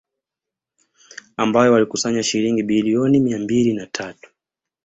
Ambayo walikusanya shilingi bilioni mia mbili na tatu